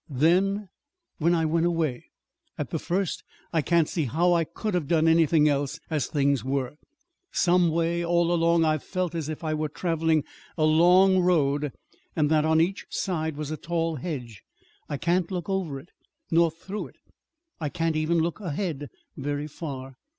"Then?" "When I went away at the first. I can't see how I could have done anything else, as things were. Some way, all along, I've felt as if I were traveling a a long road, and that on each side was a tall hedge. I can't look over it, nor through it. I can't even look ahead very far.